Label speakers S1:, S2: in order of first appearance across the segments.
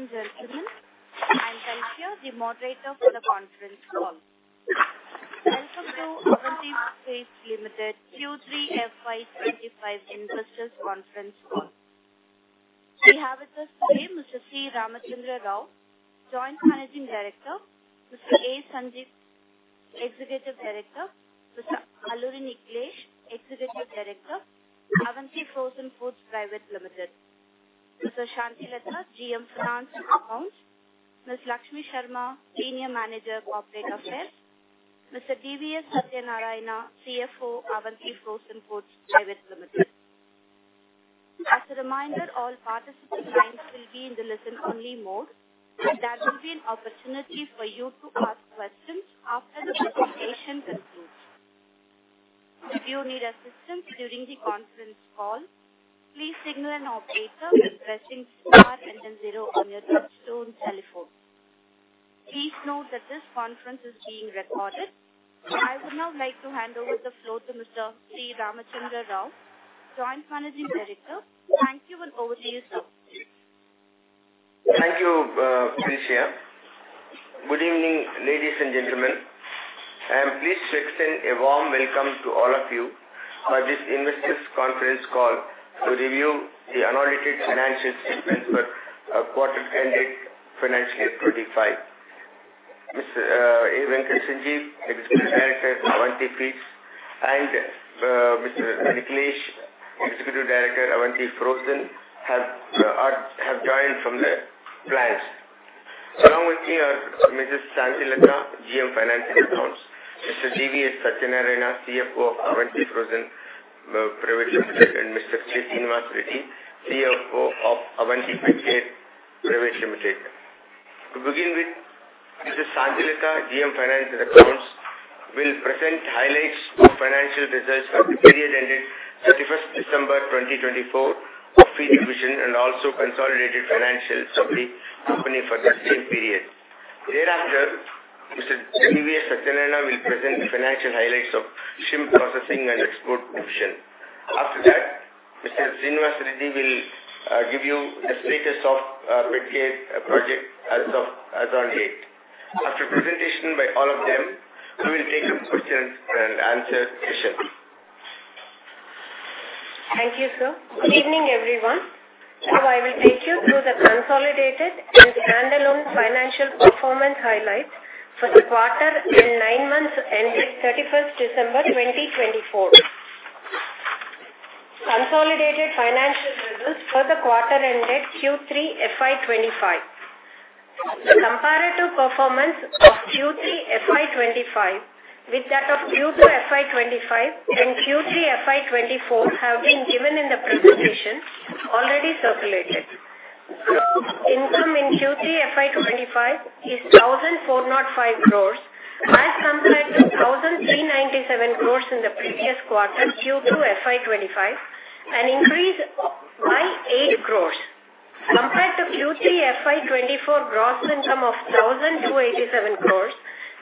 S1: Ladies and gentlemen, I'm Thalviya, the moderator for the conference call. Welcome to Avanti Feeds Limited Q3 FY25 Investors' Conference Call. We have with us today Mr. C. Ramachandra Rao, Joint Managing Director, Mr. A. Sanjeev, Executive Director, Mr. Aluri Nikhilesh, Executive Director, Avanti Frozen Foods Private Limited, Ms. C. Santhi Latha, GM Finance Accounts, Ms. Lakshmi Sharma, Senior Manager, Corporate Affairs, Mr. D.V.S. Satyanarayana, CFO, Avanti Frozen Foods Private Limited. As a reminder, all participants will be in the listen-only mode, and there will be an opportunity for you to ask questions after the presentation concludes. If you need assistance during the conference call, please signal an operator by pressing star and then zero on your touch-tone telephone. Please note that this conference is being recorded. I would now like to hand over the floor to Mr. C. Ramachandra Rao, Joint Managing Director. Thank you, and over to you, sir.
S2: Thank you, Patricia. Good evening, ladies and gentlemen. I am pleased to extend a warm welcome to all of you for this investors' conference call to review the unaltered financial statements for quarter-ended financial year 2025. Mr. A. Venkata Sanjeev, Executive Director, Avanti Feeds, and Mr. Nikhilesh, Executive Director, Avanti Frozen, have joined from the plants. Along with me are Mrs. C. Santhi Latha, GM Finance Accounts; Mr. D.V. S. Satyanarayana, CFO of Avanti Frozen Private Limited; and Mr. K. Srinivas Reddy, CFO of Avanti Feeds Private Limited. To begin with, Mrs. C. Santhi Latha, GM Finance Accounts, will present highlights of financial results at the period ended 31st December 2024 of feed division and also consolidated financials of the company for the same period. Thereafter, Mr. D.V. S. Satyanarayana will present the financial highlights of shrimp processing and export division. After that, Mr. Srinivas Reddy will give you the status of the Pet Care project as of date. After presentation by all of them, we will take a question-and-answer session.
S3: Thank you, sir. Good evening, everyone. Now, I will take you through the consolidated and standalone financial performance highlights for the quarter and nine months ended 31st December 2024. Consolidated financial results for the quarter-ended Q3 FY25. The comparative performance of Q3 FY25 with that of Q2 FY25 and Q3 FY24 have been given in the presentation already circulated. Income in Q3 FY25 is 1,405 as compared to 1,397 in the previous quarter, Q2 FY25, an increase by 8. Compared to Q3 FY24 gross income of 1,287,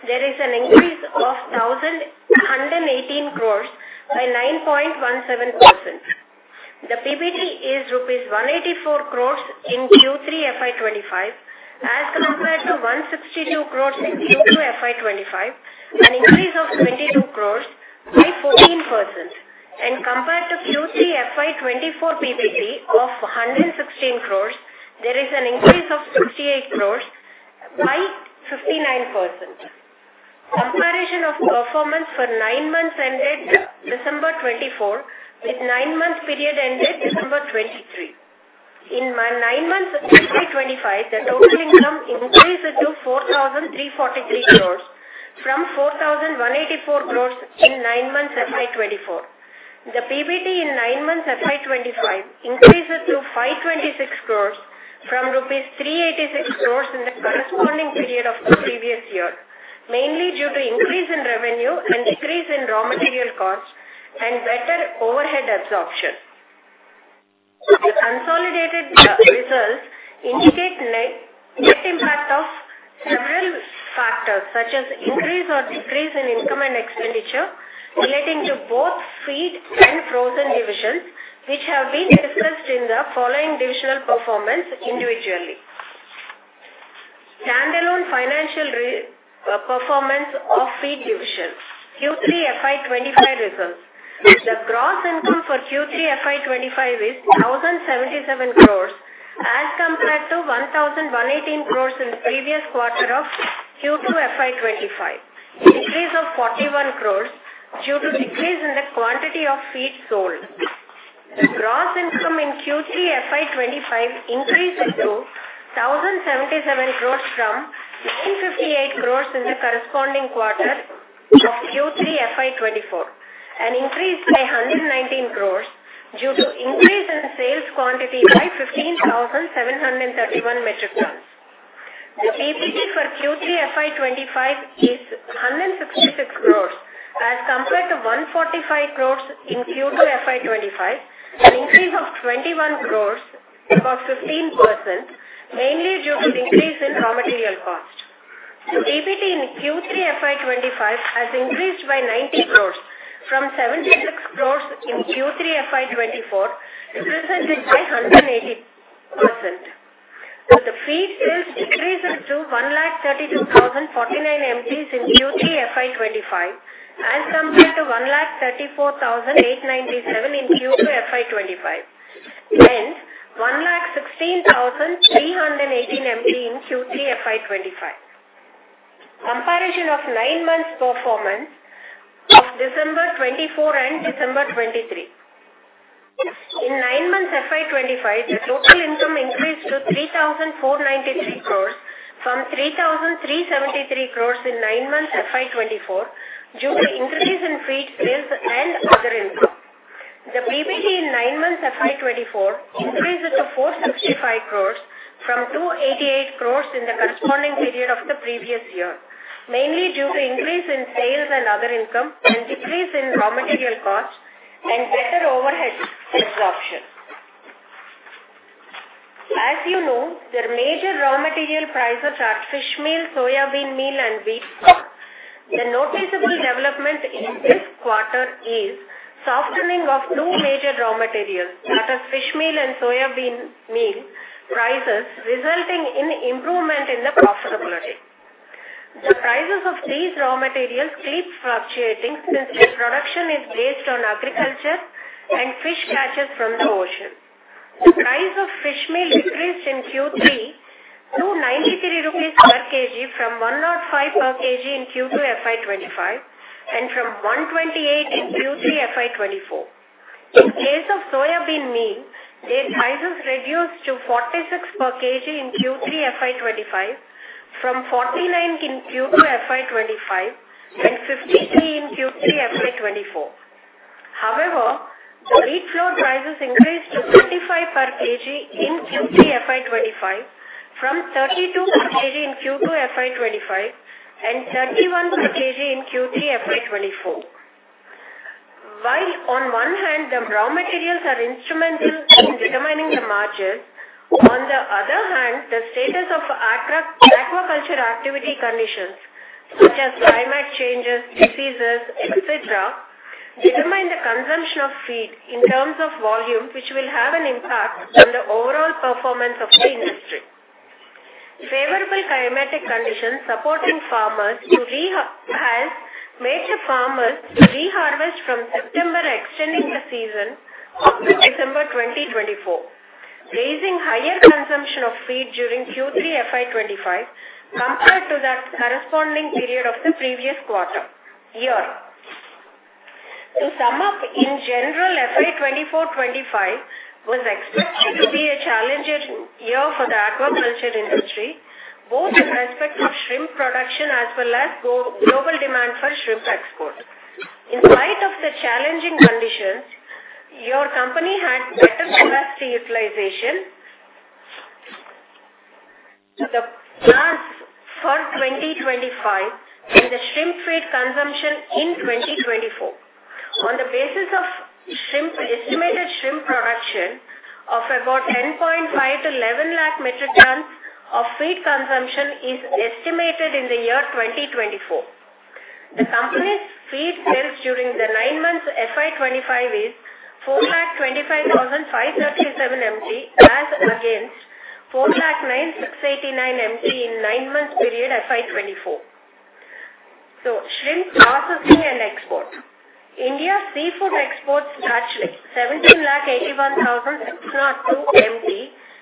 S3: there is an increase of 118 by 9.17%. The PBT is rupees 184 in Q3 FY25 as compared to 162 in Q2 FY25, an increase of 22 by 14%. And compared to Q3 FY24 PBT of 116, there is an increase of 68 by 59%. Comparison of performance for nine months ended December 2024 with nine-month period ended December 2023. In nine months of FY 2025, the total income increased to 4,343 from 4,184 in nine months FY 2024. The PBT in nine months FY 2025 increased to 526 from INR 386 in the corresponding period of the previous year, mainly due to increase in revenue and decrease in raw material costs and better overhead absorption. The consolidated results indicate net impact of several factors, such as increase or decrease in income and expenditure relating to both feed and frozen divisions, which have been discussed in the following divisional performance individually. Stand alone financial performance of feed division Q3 FY 2025 results: The gross income for Q3 FY 2025 is 1,077 as compared to 1,118 in previous quarter of Q2 FY 2025, decrease of 41 due to decrease in the quantity of feed sold. Gross income in Q3 FY25 increased to 1,077 from 958 in the corresponding quarter of Q3 FY24, an increase by 119 due to increase in sales quantity by 15,731. The PBT for Q3 FY25 is 166 as compared to 145 in Q2 FY25, an increase of 21 about 15%, mainly due to decrease in raw material cost. The PBT in Q3 FY25 has increased by 90 from 76 in Q3 FY24, represented by 180%. The feed sales decreased to 132,049 MTs in Q3 FY25 as compared to 134,897 in Q2 FY25, and 116,318 MT in Q3 FY24. Comparison of nine months performance of December 2024 and December 2023: In nine months FY25, the total income increased to 3,493 from 3,373 in nine months FY24 due to increase in feed sales and other income. The PBT in nine months FY24 increased to 465 from 288 in the corresponding period of the previous year, mainly due to increase in sales and other income and decrease in raw material costs and better overhead absorption. As you know, the major raw material prices are fish meal, soya bean meal, and wheat flour. The noticeable development in this quarter is softening of two major raw materials, that is, fish meal and soya bean meal prices, resulting in improvement in the profitability. The prices of these raw materials keep fluctuating since their production is based on agriculture and fish catches from the ocean. The price of fish meal decreased in Q3 to 93 rupees per kg from 105 per kg in Q2 FY25 and from 128 in Q3 FY24. In case of soya bean meal, their prices reduced to 46 per kg in Q3 FY25, from 49 in Q2 FY25 and 53 in Q3 FY24. However, the wheat flour prices increased to 35 per kg in Q3 FY25, from 32 per kg in Q2 FY25 and 31 per kg in Q3 FY24. While on one hand, the raw materials are instrumental in determining the margins, on the other hand, the status of aquaculture activity conditions, such as climate changes, diseases, etc., determine the consumption of feed in terms of volume, which will have an impact on the overall performance of the industry. Favorable climatic conditions supporting farmers to re-raise made the farmers to re-harvest from September, extending the season up to December 2024, raising higher consumption of feed during Q3 FY25 compared to that corresponding period of the previous quarter. To sum up, in general, FY 2024-25 was expected to be a challenging year for the aquaculture industry, both in respect of shrimp production as well as global demand for shrimp export. In spite of the challenging conditions, your company had better capacity utilization for the plants for 2025 and the shrimp feed consumption in 2024. On the basis of estimated shrimp production of about 10.5 to 11 lakh metric tons of feed consumption is estimated in the year 2024. The company's feed sales during the nine months FY25 is 425,537 as against 409,689 in nine-month period FY24. So, shrimp processing and export: India's seafood exports stretched at INR 1,781,602,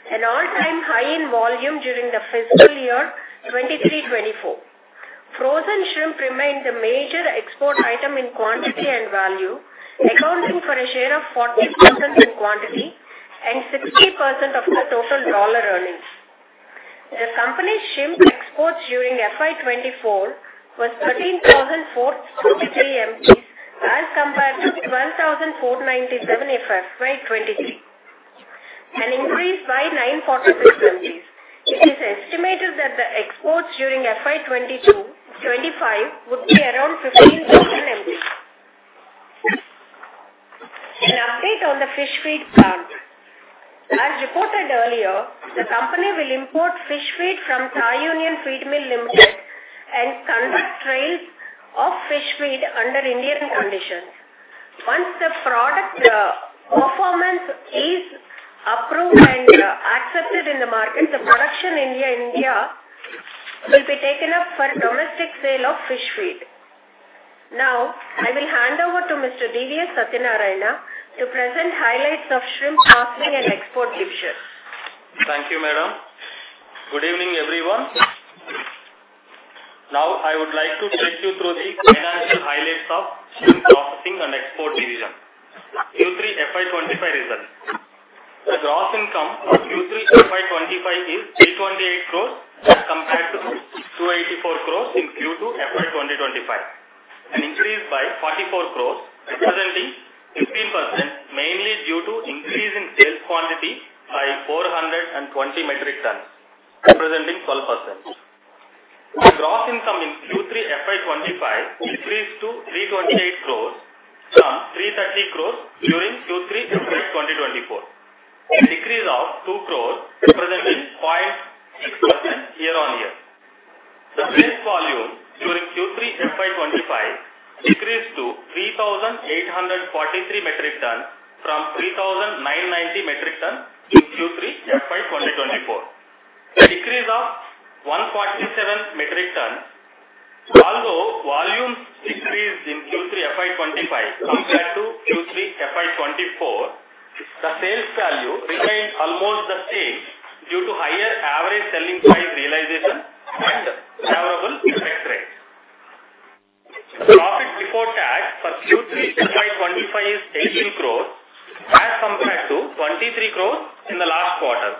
S3: an all-time high in volume during the fiscal year 2023-24. Frozen shrimp remained the major export item in quantity and value, accounting for a share of 40% in quantity and 60% of the total dollar earnings. The company's shrimp exports during FY24 were 13,443 as compared to 12,497 FY23, an increase by 946. It is estimated that the exports during FY25 would be around 15,000. An update on the fish feed plant: As reported earlier, the company will import fish feed from Thai Union Feed Mill Limited and conduct trials of fish feed under Indian conditions. Once the product performance is approved and accepted in the market, the production in India will be taken up for domestic sale of fish feed. Now, I will hand over to Mr. D.V.S. Satyanarayana to present highlights of shrimp processing and export division.
S4: Thank you, madam. Good evening, everyone. Now, I would like to take you through the financial highlights of shrimp processing and export division Q3 FY25 results. The gross income of Q3 FY25 is INR 328 as compared to INR 284 in Q2 FY25, an increase by INR 44, representing 15%, mainly due to increase in sales quantity by 420 metric tons, representing 12%. The gross income in Q3 FY25 decreased to 328 from 330 during Q3 FY24, a decrease of 2, representing 0.6% year-on-year. The sales volume during Q3 FY25 decreased to 3,843 from 3,990 in Q3 FY24, a decrease of 147 metric tons. Although volume decreased in Q3 FY25 compared to Q3 FY24, the sales value remained almost the same due to higher average selling price realization and favorable tax rates. Profit before tax for Q3 FY25 is 18 as compared to 23 in the last quarter,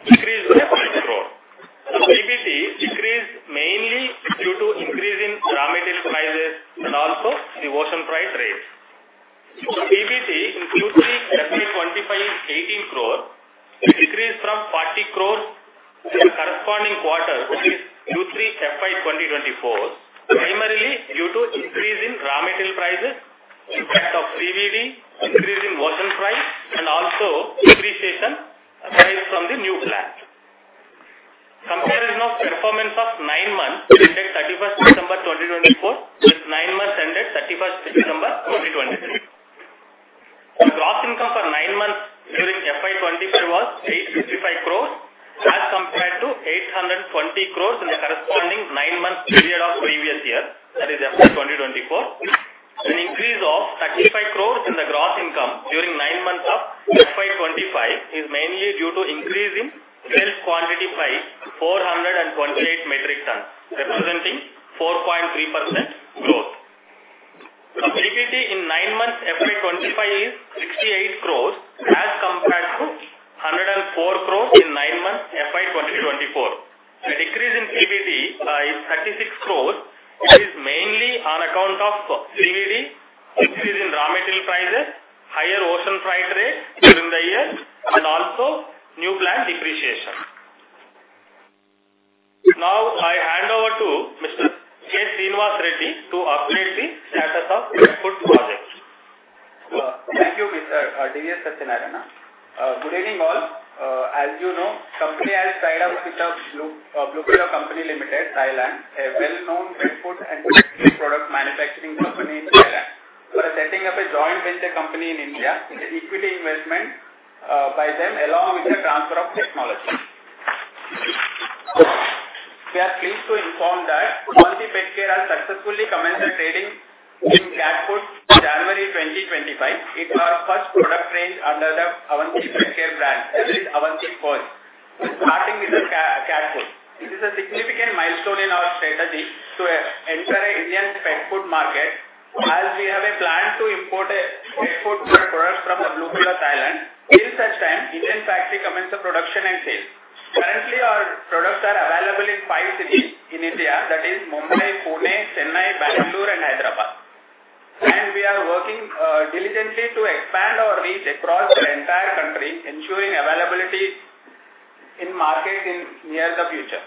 S4: that is, Q2 FY25, decreased by 18. PBT decreased mainly due to increase in raw material prices and also the ocean freight. PBT in Q3 FY25 is 18, decreased from 40 in the corresponding quarter of Q3 FY24, primarily due to increase in raw material prices, impact of CVD, increase in ocean freight, and also depreciation price from the new plant. Comparison of performance of nine months ended 31st December 2024 with nine months ended 31st December 2023. The gross income for nine months during FY25 was 865 as compared to 820 in the corresponding nine-month period of previous year, that is, FY24. An increase of 35 in the gross income during nine months of FY25 is mainly due to increase in sales quantity by 428 metric tons, representing 4.3% growth. PBT in nine months FY25 is 68 as compared to 104 in nine months FY24. The decrease in PBT is 36. It is mainly on account of CVD increase in raw material prices, higher ocean freight during the year, and also new plant depreciation. Now, I hand over to Mr. K. Srinivas Reddy to update the status of the food project.
S5: Thank you, Mr. D.V.S. Satyanarayana. Good evening, all. As you know, the company has signed up with Bluefalo Company Limited, Thailand, a well-known pet food and food product manufacturing company in Thailand. We are setting up a joint venture company in India with equity investment by them along with the transfer of technology. We are pleased to inform that Avanti Pet Care has successfully commenced trading in cat food in January 2025. It is our first product range under the Avanti Pet Care brand, that is, Avanti Pets, starting with cat food. This is a significant milestone in our strategy to enter the Indian pet food market, as we have a plan to import pet food products from the Bluefalo Thailand. In such time, the Indian factory commences production and sales. Currently, our products are available in five cities in India, that is, Mumbai, Pune, Chennai, Bangalore, and Hyderabad. We are working diligently to expand our reach across the entire country, ensuring availability in markets in the near future.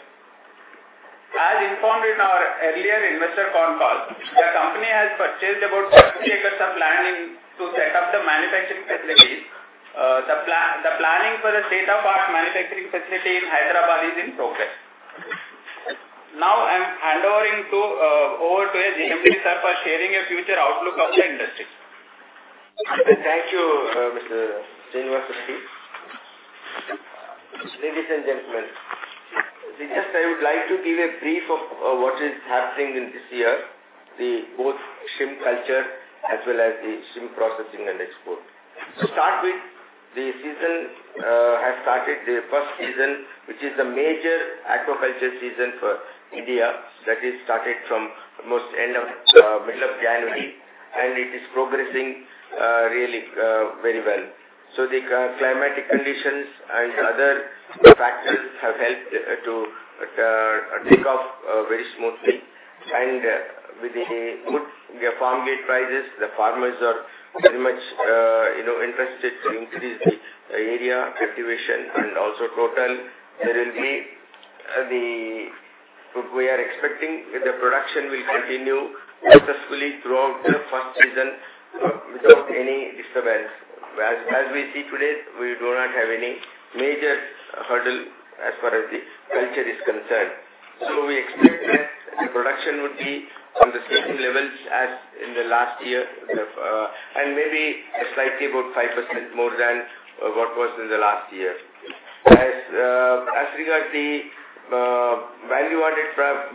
S5: As informed in our earlier investor con call, the company has purchased about 20 acres of land to set up the manufacturing facilities. The planning for the state-of-the-art manufacturing facility in Hyderabad is in progress. Now, I am handing over to JMD Sir for sharing a future outlook of the industry.
S4: Thank you, Mr. Srinivas Reddy. Ladies and gentlemen, I would like to give a brief of what is happening in this year, both shrimp culture as well as the shrimp processing and export. To start with, the season has started, the first season, which is the major aquaculture season for India, that is, started from almost the middle of January, and it is progressing really very well. So, the climatic conditions and other factors have helped to take off very smoothly, and with the good farm gate prices, the farmers are very much interested to increase the area cultivation and also total. There will be good feed we are expecting. The production will continue successfully throughout the first season without any disturbance. As we see today, we do not have any major hurdle as far as the culture is concerned. We expect that the production would be on the same levels as in the last year, and maybe slightly about 5% more than what was in the last year. As regards the value-added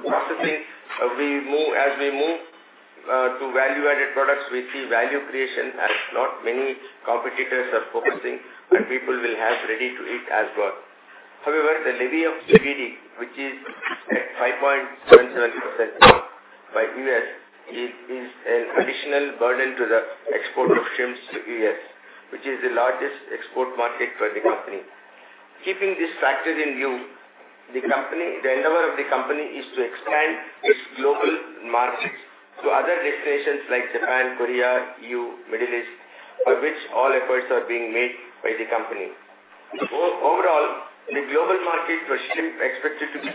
S4: processing, as we move to value-added products, we see value creation as not many competitors are focusing on what people will have ready to eat as well. However, the levy of CVD, which is at 5.77% by the U.S., is an additional burden to the export of shrimps to the U.S., which is the largest export market for the company. Keeping this factor in view, the endeavor of the company is to expand its global markets to other destinations like Japan, Korea, EU, Middle East, for which all efforts are being made by the company. Overall, the global market for shrimp is expected to be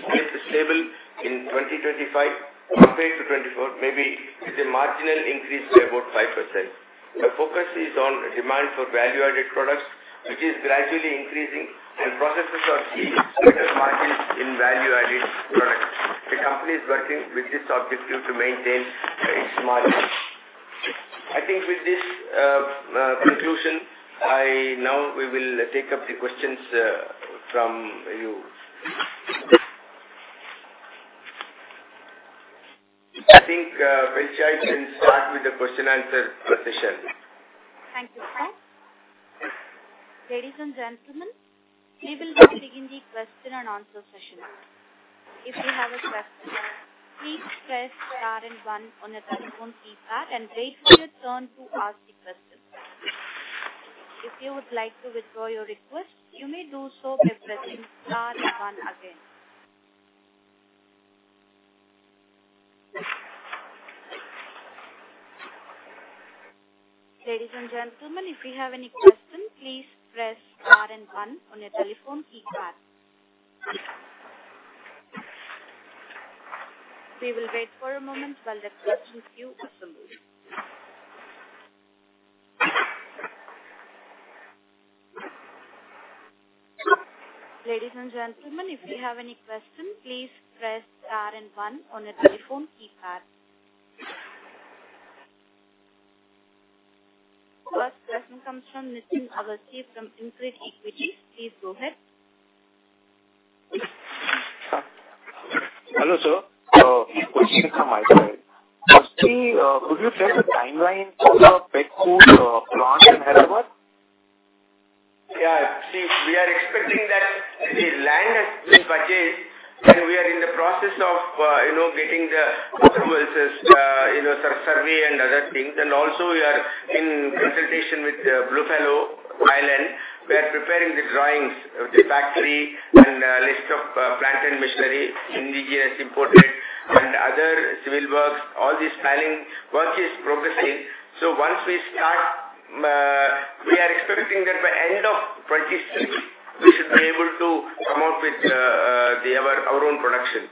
S4: stable in 2025 compared to 2024, maybe with a marginal increase by about 5%. The focus is on demand for value-added products, which is gradually increasing, and processors are seeing better margins in value-added products. The company is working with this objective to maintain its margins. I think with this conclusion, now we will take up the questions from you. I think we'll try to start with the question-and-answer session.
S1: Thank you. Ladies and gentlemen, we will now begin the question-and-answer session. If you have a question, please press star and one on your telephone keypad and wait for your turn to ask the question. If you would like to withdraw your request, you may do so by pressing star and one again. Ladies and gentlemen, if you have any questions, please press star and one on your telephone keypad. We will wait for a moment while the question queue is formed. Ladies and gentlemen, if you have any questions, please press star and one on your telephone keypad. First question comes from Nitin Awasthi from InCred Equities. Please go ahead.
S6: Hello, sir. Question from my side. Could you tell the timeline for pet food plants in Hyderabad?
S4: Yeah. We are expecting that the land has been purchased, and we are in the process of getting the approvals, survey, and other things, and also, we are in consultation with Bluefalo Thailand. We are preparing the drawings of the factory and a list of plant and machinery, indigenous, imported, and other civil works. All this planning work is progressing, so once we start, we are expecting that by the end of 2026, we should be able to come out with our own production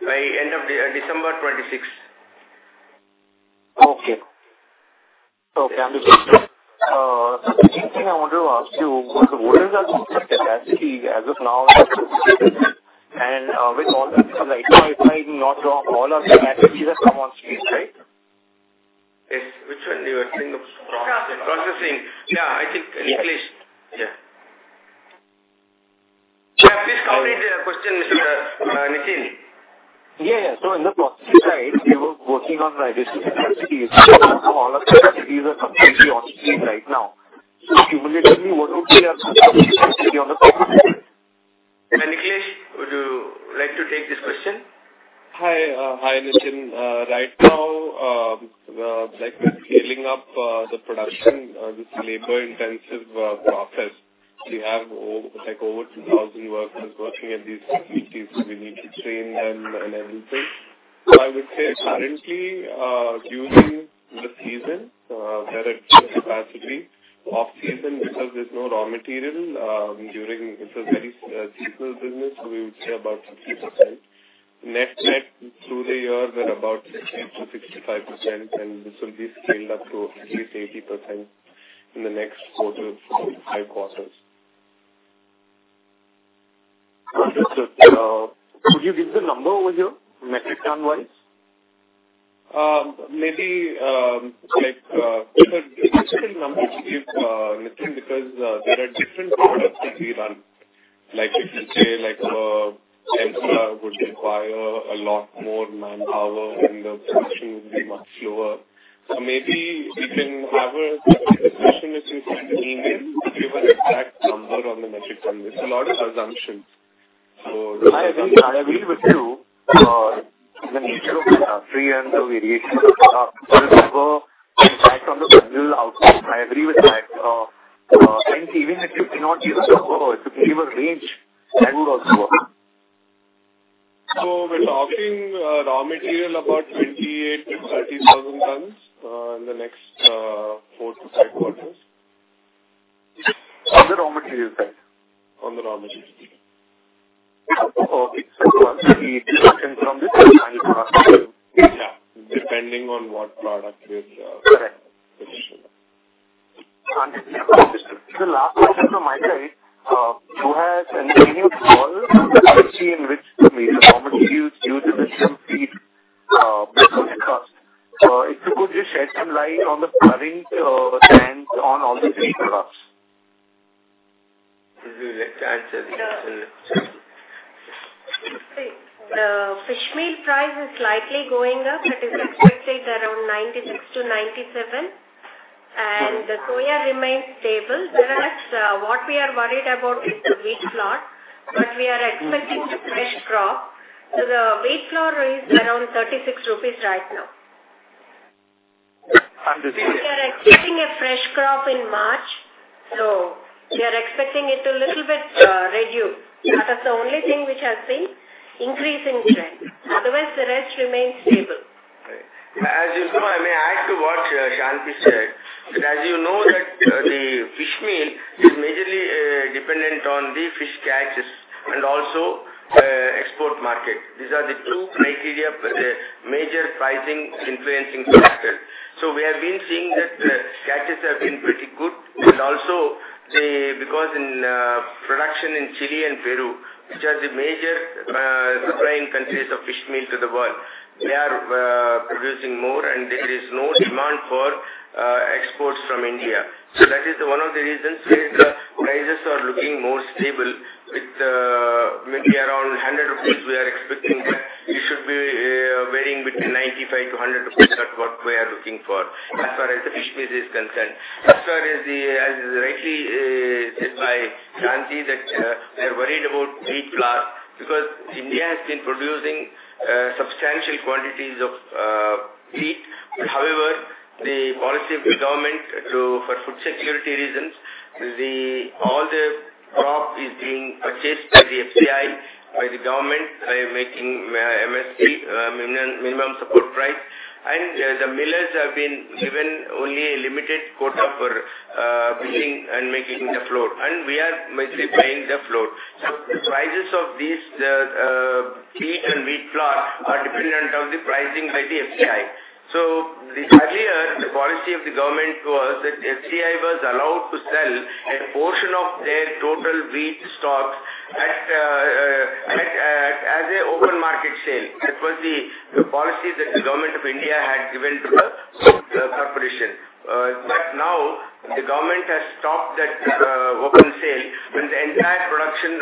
S4: by the end of December 26. Okay. Nitin,
S6: I want to ask you, what are the things that are asking as of now? And with all that, if I'm not wrong, all of the strategies have come on screen, right? Yes. Which one you are saying? Processing. Yeah, I think in English. Yeah.
S4: Yeah. Please complete the question, Mr. Nitin.
S6: Yeah, yeah. So, in the processing side, we were working on the strategies. All of the strategies are completely on screen right now. So, cumulatively, what would be your strategy on the processing side?
S4: Nikhilesh, would you like to take this question?
S7: Hi. Hi, Nitin. Right now, we're scaling up the production with a labor-intensive process. We have over 2,000 workers working at these facilities. We need to train them and everything. I would say, currently, using the season, there are few capacities. Off-season, because there's no raw material during, it's a very seasonal business, we would say about 60%. Net net through the year, we're about 60%-65%, and this will be scaled up to at least 80% in the next four to five quarters.
S6: Could you give the number over here, metric ton-wise?
S7: Maybe a different number to give, Nitin, because there are different products that we run. If you say, for EMSA, it would require a lot more manpower, and the production would be much slower. So maybe we can have a discussion with you through email to give an exact number on the metric ton. It's a lot of assumptions.
S6: I agree with you. The nature of the country and the variation. If we were to act on the manual output, I agree with that. And even if you cannot give a number, if you can give a range, that would also work.
S7: We're talking raw material about 28 to 30,000 tons in the next four to five quarters.
S6: On the raw material side?
S7: On the raw material.
S6: Okay. So once we get the questions from this, I'll ask you,
S7: yeah, depending on what product we're positioning on.
S6: The last question from my side. You have continued to call out the strategy in which major raw materials are used in the shrimp feed because of costs. If you could just shed some light on the current trends in all the shrimp products.
S4: Please do the answer.
S3: The fish meal price is slightly going up. It is expected around 96-97. And the soya remains stable. What we are worried about is the wheat flour, but we are expecting the fresh crop. So the wheat flour is around 36 rupees right now.
S6: Understood.
S3: We are expecting a fresh crop in March. So we are expecting it a little bit reduced. That is the only thing which I've seen, increase in trend. Otherwise, the rest remains stable.
S4: Okay. As you know, I may add to what Shanti said. As you know, the fish meal is majorly dependent on the fish catches and also the export market. These are the two major pricing influencing factors. So we have been seeing that the catches have been pretty good. And also, because in production in Chile and Peru, which are the major supplying countries of fish meal to the world, they are producing more, and there is no demand for exports from India. So that is one of the reasons where the prices are looking more stable. With maybe around 100 rupees, we are expecting that it should be varying between 95-100 rupees, that's what we are looking for as far as the fish meal is concerned. As far as rightly said by Shanti, that we are worried about wheat flour because India has been producing substantial quantities of wheat. However, the policy of the government for food security reasons, all the crop is being purchased by the FCI, by the government, by making MSP, minimum support price, and the millers have been given only a limited quota for milling and making the flour, and we are basically buying the flour, so the prices of these wheat and wheat flour are dependent on the pricing by the FCI, so earlier, the policy of the government was that the FCI was allowed to sell a portion of their total wheat stocks as an open market sale. That was the policy that the government of India had given to the corporation, but now, the government has stopped that open sale, and the entire production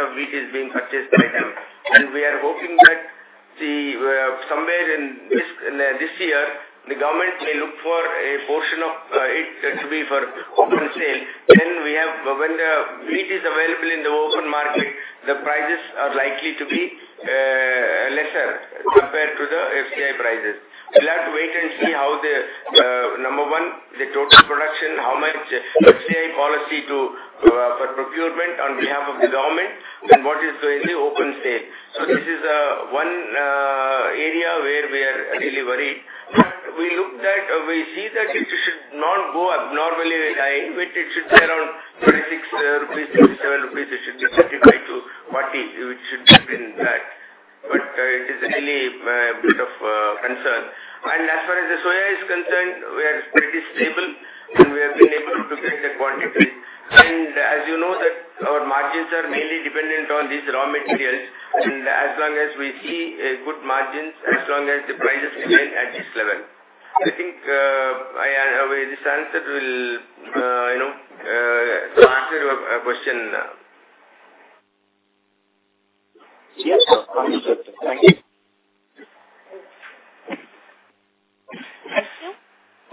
S4: of wheat is being purchased by them. We are hoping that somewhere in this year, the government may look for a portion of it to be for open sale. When the wheat is available in the open market, the prices are likely to be lesser compared to the FCI prices. We'll have to wait and see how the number one, the total production, how much FCI policy for procurement on behalf of the government, and what is going to be open sale. This is one area where we are really worried. But we looked at, we see that it should not go abnormally high. It should be around 26 rupees, 27 rupees. It should be 35-40. It should be in that. But it is really a bit of concern. As far as the soya is concerned, we are pretty stable, and we have been able to get the quantities. As you know, our margins are mainly dependent on these raw materials. As long as we see good margins, as long as the prices remain at this level, I think this answer will answer your question.
S6: Yes, sir. Thank you.
S1: Thank you.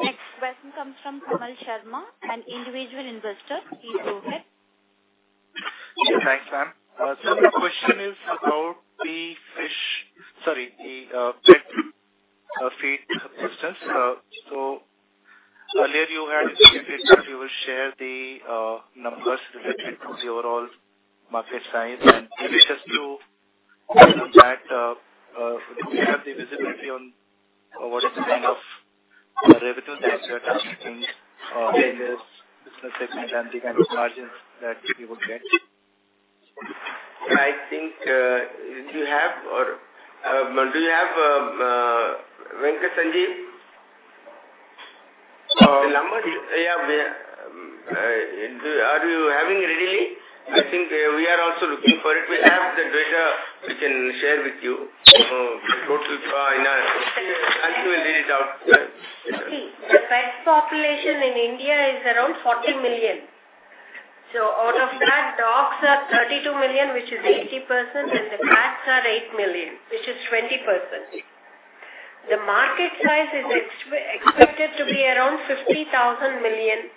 S1: Next question comes from Kamil Sharma, an individual investor. Please go ahead.
S8: Thanks, ma'am. So the question is about the fish, sorry, the pet feed business. So earlier, you had stated that you will share the numbers related to the overall market size. And maybe just to that, do you have the visibility on what is the kind of revenue that you are expecting in this business segment and the kind of margins that you will get?
S4: I think, do you have Venkata Sanjeev? The numbers? Yeah. Are you having it ready? I think we are also looking for it. We have the data we can share with you. Total in Avanti will read it out.
S3: The pet population in India is around 40 million. Out of that, dogs are 32 million, which is 80%, and the cats are 8 million, which is 20%. The market size is expected to be around 50,000 million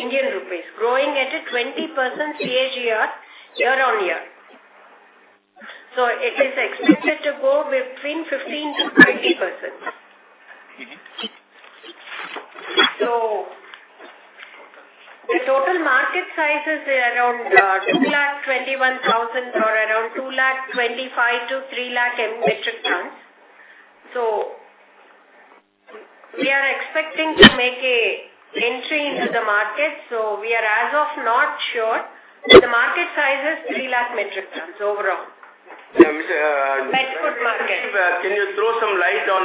S3: Indian rupees, growing at a 20% CAGR year-on-year. It is expected to go between 15%-20%. The total market size is around 221,000 or around 225-3,000 metric tons. We are expecting to make an entry into the market. We are, as of now, sure. The market size is 3,000 metric tons overall.
S4: Yeah.
S3: Pet food market.
S4: Can you throw some light on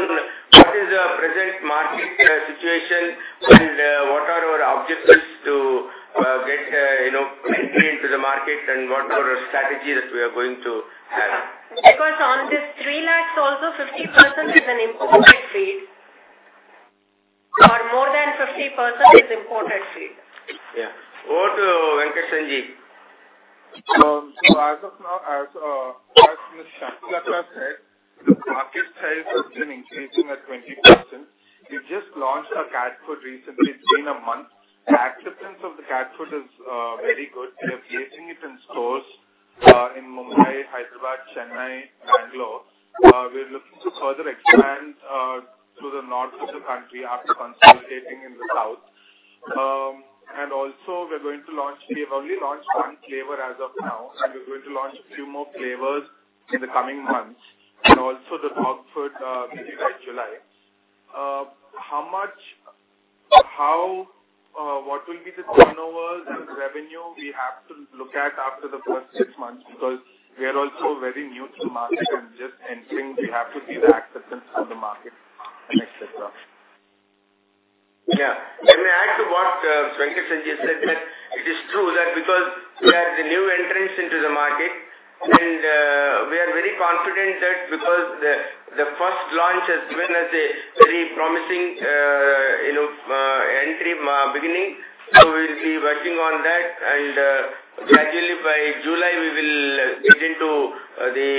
S4: what is the present market situation and what are our objectives to get entry into the market and what are our strategies that we are going to have?
S3: Because on this 3,000,000, also 50% is an imported feed, or more than 50% is imported feed.
S4: Yeah. Over to Venkata Sanjeev.
S9: As Santhi Latha just said, the market size has been increasing at 20%. We just launched our cat food recently, three in a month. The acceptance of the cat food is very good. We are placing it in stores in Mumbai, Hyderabad, Chennai, Bangalore. We are looking to further expand to the north of the country after consolidating in the south. Also, we are going to launch. We have only launched one flavor as of now, and we are going to launch a few more flavors in the coming months and also the dog food in July. How much? How? What will be the turnover and revenue we have to look at after the first six months? Because we are also very new to the market and just entering. We have to see the acceptance of the market, etc.
S4: Yeah. Let me add to what Venkata Sanjeev said, that it is true that because we are the new entrants into the market, and we are very confident that because the first launch has been as a very promising entry beginning, so we'll be working on that. And gradually, by July, we will get into the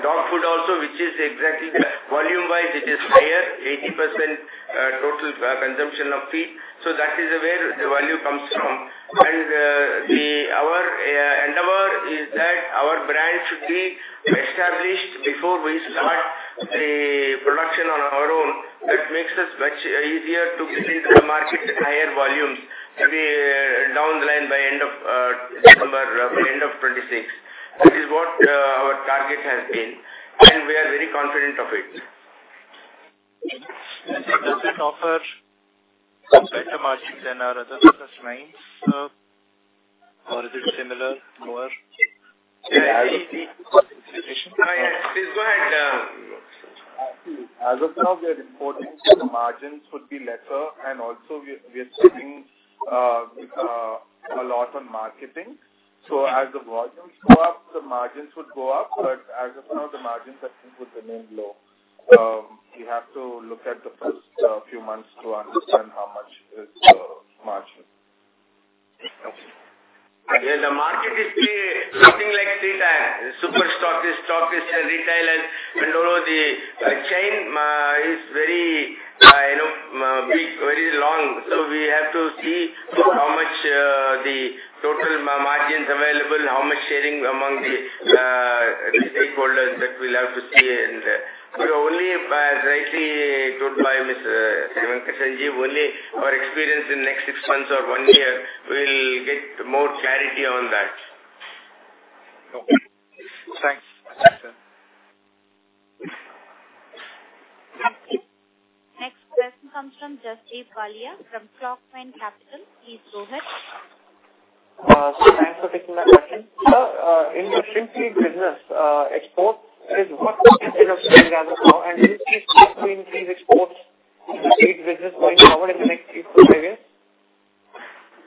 S4: dog food also, which is exactly volume-wise, it is higher, 80% total consumption of feed. So that is where the value comes from. And our endeavor is that our brand should be established before we start the production on our own. That makes us much easier to get into the market at higher volumes down the line by end of December, by end of 2026. That is what our target has been, and we are very confident of it.
S8: Does it offer better margins than our other focus lines, or is it similar, lower?
S4: Yeah. Please go ahead.
S9: As of now, we are reporting that the margins would be lesser, and also, we are spending a lot on marketing. So as the volumes go up, the margins would go up. But as of now, the margins, I think, would remain low. We have to look at the first few months to understand how much is the margin.
S8: Okay.
S4: Yeah. The market is something like three times. Super stockists, retail, and all of the chain is very big, very long. So we have to see how much the total margins available, how much sharing among the stakeholders that we'll have to see. And we're only slightly told by Mr. A. Venkata Sanjeev; only our experience in the next six months or one year, we'll get more clarity on that.
S8: Okay. Thanks.
S1: Thank you. Next question comes from Jasdeep Walia from Clockvine Capital. Please go ahead.
S10: So thanks for taking my question. In the shrimp feed business, exports is what is in the scenario as of now, and will shrimp feed be the exports to the feed business going forward in the next three to five years?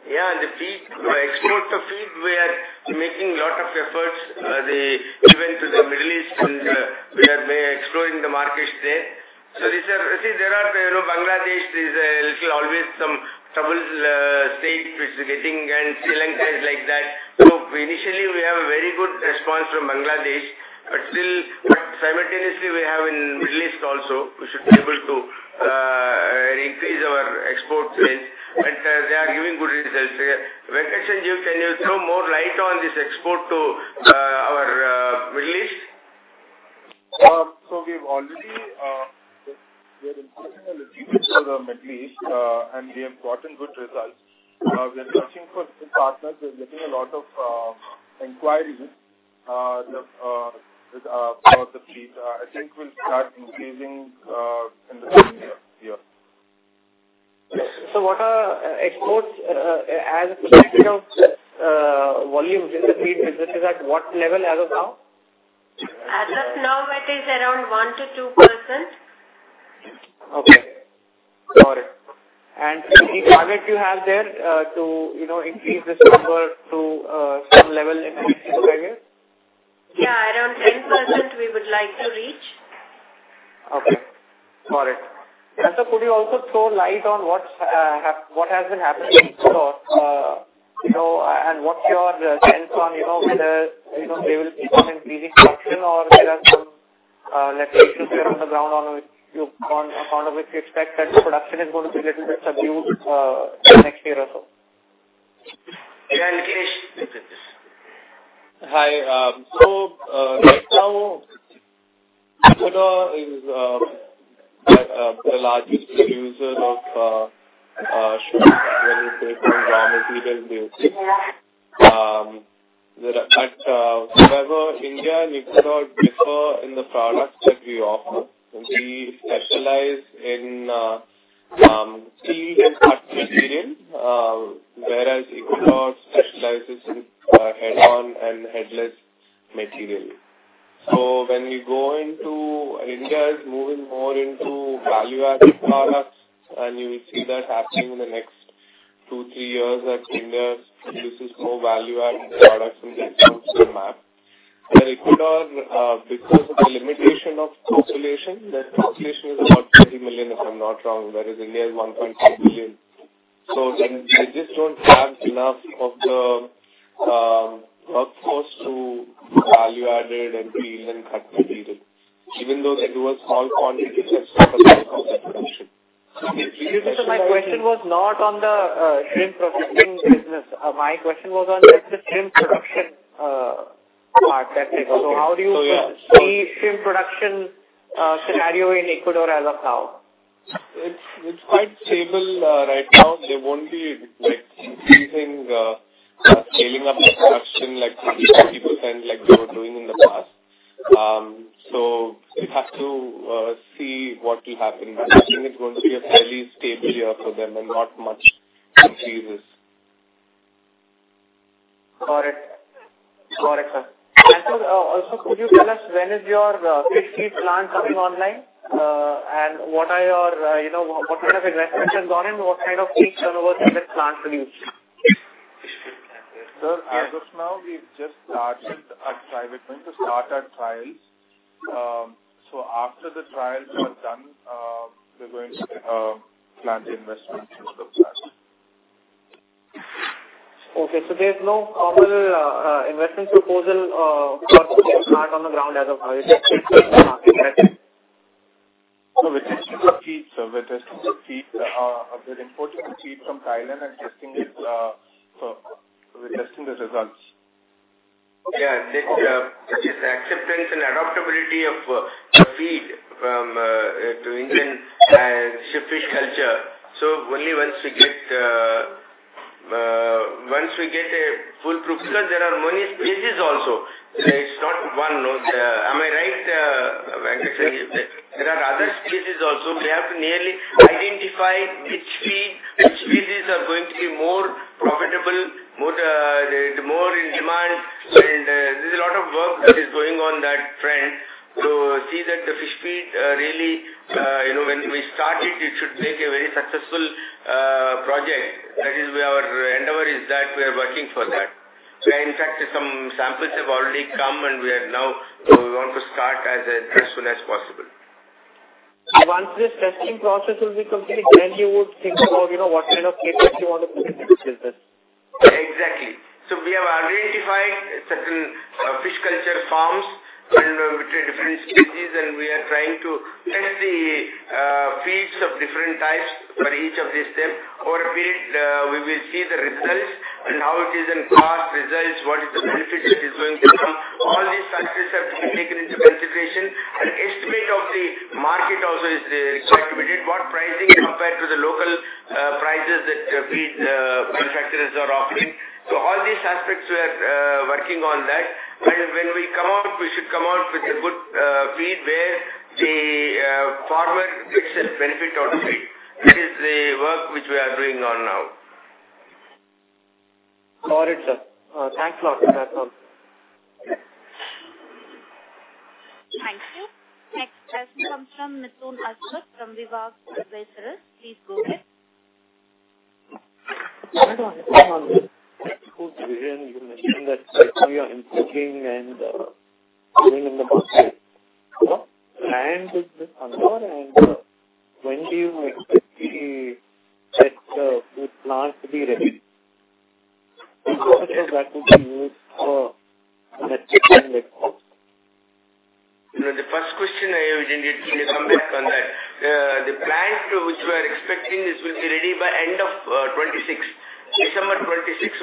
S4: Yeah. The export to feed, we are making a lot of efforts. We went to the Middle East, and we are exploring the markets there. So there are Bangladesh, there is a little always some troubled state which is getting, and Sri Lanka is like that. So initially, we have a very good response from Bangladesh, but simultaneously, we have in the Middle East also. We should be able to increase our exports, and they are giving good results. Venkata Sanjeev, can you throw more light on this export to our Middle East?
S9: So we've already been looking for the Middle East, and we have gotten good results. We are searching for good partners. We're getting a lot of inquiries about the feed. I think we'll start increasing in the coming year.
S10: So what are exports as a percentage of volume in the feed business? Is that what level as of now?
S3: As of now, it is around 1%-2%.
S10: Okay. Got it. And any target you have there to increase this number to some level in the next five years?
S3: Yeah. Around 10% we would like to reach.
S10: Okay. Got it. And so could you also throw light on what has been happening in stores and what's your sense on whether they will increase in production or there are some limitations here on the ground on account of which you expect that production is going to be a little bit subdued in the next year or so?
S4: Yeah. In case...
S7: Hi. So right now, Ecuador is the largest producer of shrimp, whether it is from raw material, whatever. India, Ecuador are bigger in the products that we offer. We specialize in peeled and cut material, whereas Ecuador specializes in head-on and headless material. So when we go into India's moving more into value-added products, and you will see that happening in the next two, three years that India produces more value-added products in the income stream map. And Ecuador, because of the limitation of population, that population is about 30 million, if I'm not wrong, whereas India is 1.2 billion. So they just don't have enough of the workforce to do value-added and peeled and cut material, even though they do a small quantity of the production.
S10: So my question was not on the shrimp processing business. My question was on just the shrimp production part, that's it. So how do you see shrimp production scenario in Ecuador as of now?
S9: It's quite stable right now. They won't be increasing, scaling up the production like 50% like they were doing in the past. So we have to see what will happen. But I think it's going to be a fairly stable year for them and not much increases.
S10: Got it. Got it, sir. And so also, could you tell us when is your fish feed plant coming online? And what are your—what kind of investments have gone in? What kind of feed turnover can the plant produce?
S9: So as of now, we've just started our trial. We're going to start our trials. So after the trials are done, we're going to plant the investments into the plant.
S10: Okay. So there's no formal investment proposal for the plant on the ground as of now? It's just based on the market, right?
S9: We're testing the feed. We're importing the feed from Thailand and testing it. We're testing the results.
S4: Yeah. It's acceptance and adoptability of the feed to Indian shrimp fish culture. So only once we get, once we get a foolproof because there are many species also. It's not one. Am I right, Venkata Sanjeev? There are other species also. We have to nearly identify which feeds are going to be more profitable, more in demand, and there's a lot of work that is going on that trend to see that the fish feed really, when we start it, it should make a very successful project. That is our endeavor, is that we are working for that. In fact, some samples have already come, and we are now so we want to start as soon as possible.
S10: And once this testing process will be completed, then you would think about what kind of feed you want to put into the business.
S4: Exactly. So we have identified certain fish culture farms with different species, and we are trying to test the feeds of different types for each of these. Over a period, we will see the results and how it is and cost results, what is the benefit that is going to come. All these factors have been taken into consideration. An estimate of the market also is required to be made, what pricing compared to the local prices that feed manufacturers are offering. So all these aspects, we are working on that. And when we come out, we should come out with a good feed where the farmer gets a benefit out of it. That is the work which we are doing now.
S10: Got it, sir. Thanks a lot. That's all.
S1: Thank you. Next question comes from Mithun Aswath from Kivah Advisors. Please go ahead.
S11: Hold on. Hold on. This whole division, you mentioned that you are improving and putting in the market. What plan does this undergo? And when do you expect the plant to be ready? What results will be used for the next 10 years?
S4: The first question I have, I'll come back on that. The plant which we are expecting will be ready by end of December 2026.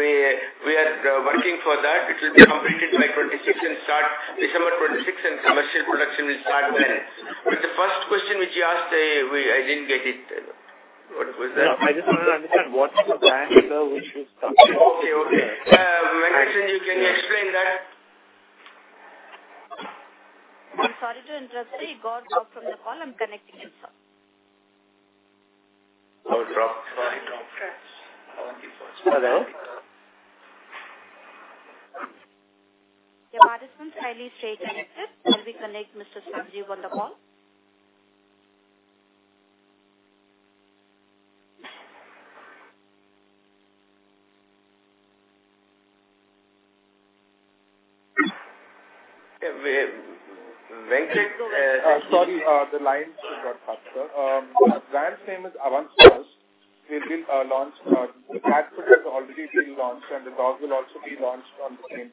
S4: We are working for that. It will be completed by 2026 and start December 2026, and commercial production will start then. But the first question which you asked, I didn't get it. What was that?
S11: No. I just want to understand what the plan is which you started.
S4: Okay. A. Venkata Sanjeev, can you explain that?
S1: I'm sorry to interrupt. He got dropped from the call. I'm connecting himself.
S4: Oh, dropped?
S1: Dropped.
S4: Okay.
S1: The participant's line is straight connected. I'll reconnect Mr. Sanjeev on the call.
S4: Venkata?
S9: Sorry. The line got cut, sir. The brand's name is Avanti Pets. We will launch, cat food has already been launched, and the dog will also be launched on the same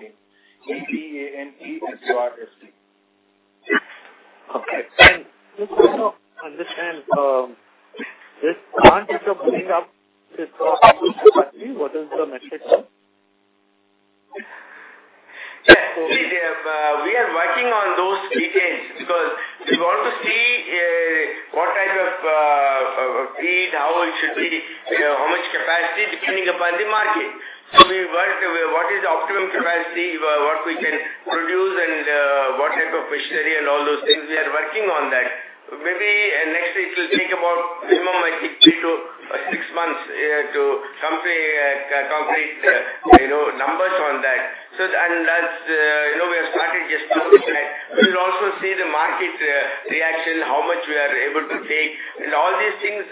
S9: name, A-V-A-N-T-S-U-R-S-E.
S11: Okay. And just to understand, this plant is opening up. Is it possible to tell me what is the metrics?
S2: We are working on those details because we want to see what type of feed, how it should be, how much capacity depending upon the market, so we work what is the optimum capacity, what we can produce, and what type of machinery and all those things. We are working on that, maybe next week it will take about minimum, I think, three to six months to come to a concrete numbers on that, and as we have started just now, we'll also see the market reaction, how much we are able to take, and all these things,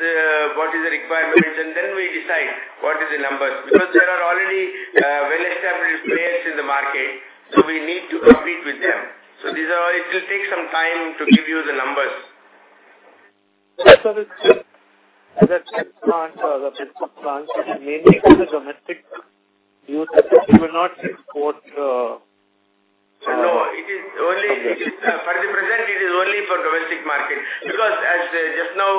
S2: what is the requirement, and then we decide what are the numbers. Because there are already well-established players in the market, so we need to update with them, so it will take some time to give you the numbers.
S4: So the fish feed plant, mainly for the domestic use, it will not support.
S2: No. For the present, it is only for domestic market. Because as just now